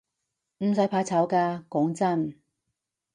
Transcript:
唔使怕醜㗎，講真